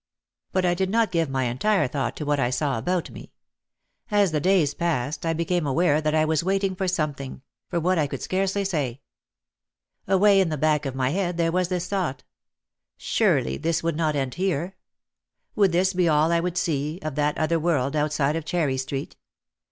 But I did not give my entire thought to what I saw about me. As the days passed I became aware that I was waiting for something, for what I could scarcely say. Away in the back of my head there was this thought, "Surely this would not end here. Would this be all I would see of that other world outside of Cherry Street